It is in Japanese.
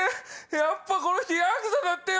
やっぱこの人ヤクザだったよ。